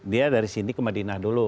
dia dari sini ke madinah dulu